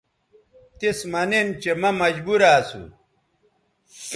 تِس مہ نِن چہءمہ مجبورہ اسُو